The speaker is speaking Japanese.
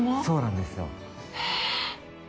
そうなんですよ。